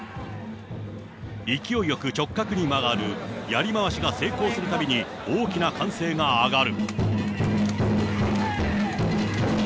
勢いよく直角に曲がるやり回しが成功するたびに大きな歓声が上がる。